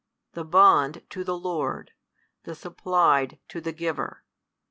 |133 the bond to the Lord, the supplied to the Giver.